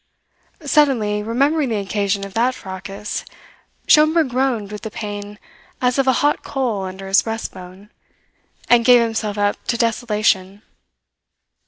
Suddenly, remembering the occasion of that "fracas," Schomberg groaned with the pain as of a hot coal under his breastbone, and gave himself up to desolation.